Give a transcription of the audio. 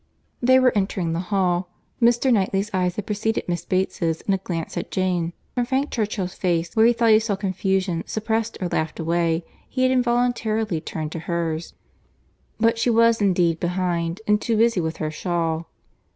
They were entering the hall. Mr. Knightley's eyes had preceded Miss Bates's in a glance at Jane. From Frank Churchill's face, where he thought he saw confusion suppressed or laughed away, he had involuntarily turned to hers; but she was indeed behind, and too busy with her shawl.